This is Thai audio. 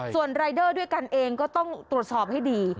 ส่วนรายเดอร์ด้วยกันเองก็ต้องตรวจสอบให้ดี